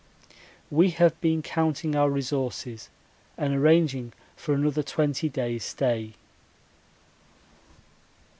We have been counting our resources and arranging for another twenty days' stay.